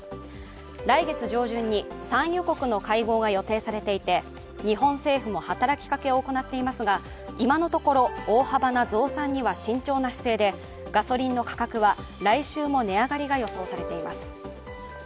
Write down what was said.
来月上旬に産油国の会合が予定されていて日本政府も働きかけを行っていますが今のところ大幅な増産には慎重な姿勢でガソリンの価格は来週も値上がりが予想されています。